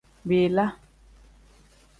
Bila.